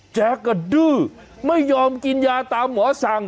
แจ๊กก็ดื้อไม่ยอมกินยาตามหมอสั่ง